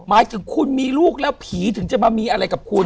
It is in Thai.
หมายถึงคุณมีลูกแล้วผีถึงจะมามีอะไรกับคุณ